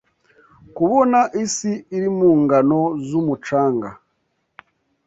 Kubona isi iri mu ngano z'umucanga